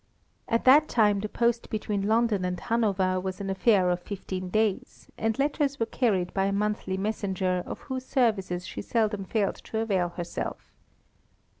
At that time the post between London and Hanover was an affair of fifteen days, and letters were carried by a monthly messenger, of whose services she seldom failed to avail herself.